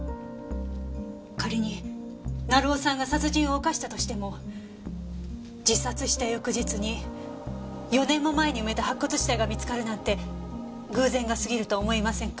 仮に成尾さんが殺人を犯したとしても自殺した翌日に４年も前に埋めた白骨死体が見つかるなんて偶然が過ぎると思いませんか？